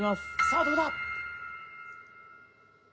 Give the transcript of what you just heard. さあどうだ？